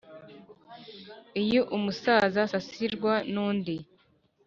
Iyo umusaza asasirwa n'undi